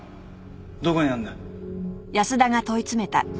どこにあるんだ？